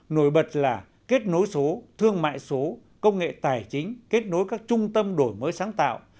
nổi bật là kết nối số thương mại số công nghệ tài chính kết nối các trung tâm đổi mới sáng tạo